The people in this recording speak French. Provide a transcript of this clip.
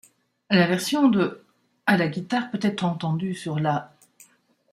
La version de ' à la guitare peut être entendue sur la '.